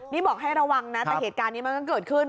นี่บอกให้ระวังนะแต่เหตุการณ์นี้มันก็เกิดขึ้น